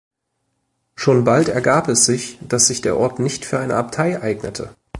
Schon bald ergab es sich, dass sich der Ort nicht für eine Abtei eignete.